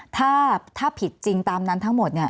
ถ้าผิดจริงตามนั้นทั้งหมด